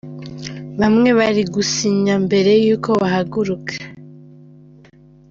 Bamwe bari gusinya mbere y’uko bahaguruka.